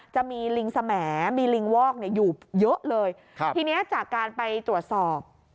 จะมีลิงสแหมดมีลิงวอกเนี่ยอยู่เยอะเลยครับทีนี้จากการไปตรวจสอบ